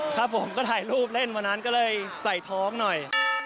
ครับผมก็ถ่ายรูปเล่นวันนั้นก็เลยใส่ท้องหน่อย